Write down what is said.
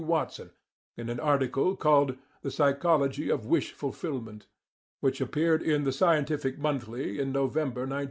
Watson in an article called "The Psychology of Wish Fulfilment," which appeared in "The Scientific Monthly" in November, 1916.